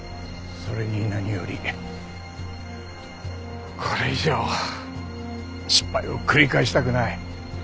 それに何よりこれ以上失敗を繰り返したくない。